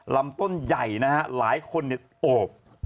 ลำต้นใหญ่นะฮะหลายคนโอบ